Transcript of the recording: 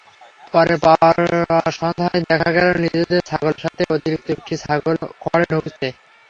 পড়ে পাওয়াসন্ধ্যায় দেখা গেল নিজেদের ছাগলের সাথে অতিরিক্ত একটি ছাগলও খোঁয়াড়ে ঢুকছে।